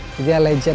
dia seorang legend